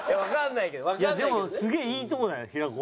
いやでもすげえいいとこだよ平子は。